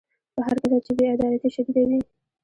په هر کچه چې بې عدالتي شدیده وي.